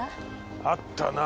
あったなぁ。